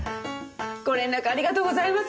ご連絡ありがとうございます。